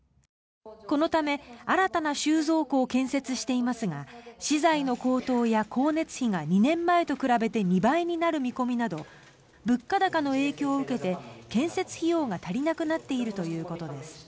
このため、新たな収蔵庫を建設していますが資材の高騰や、光熱費が２年前と比べて２倍になる見込みなど物価高の影響を受けて建設費用が足りなくなっているということです。